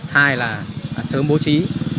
hai là sớm bố trí